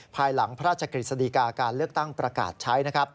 ภายหลังพระราชกฤษฎีกาการเลือกตั้งประกาศใช้นะครับ